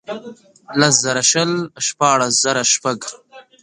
لس زره شل ، شپاړس زره شپږ.